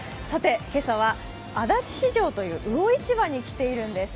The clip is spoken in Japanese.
今朝は、足立市場という魚市場に来ています。